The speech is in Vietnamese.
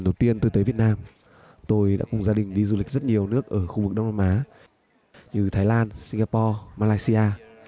đầu tiên tôi tới việt nam tôi đã cùng gia đình đi du lịch rất nhiều nước ở khu vực đông nam á như thái lan singapore malaysia